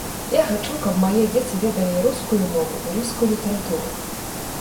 Я хачу, каб мае дзеці ведалі і рускую мову і рускую літаратуру.